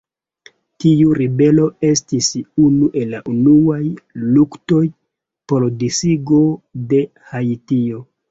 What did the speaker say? Tiu ribelo estis unu el la unuaj luktoj por disigo de Haitio.